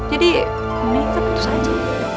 jadi mendingan kita putus aja